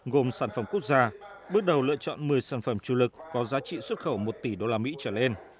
gồm sản phẩm quốc gia bước đầu lựa chọn một mươi sản phẩm chủ lực có giá trị xuất khẩu một tỷ usd trở lên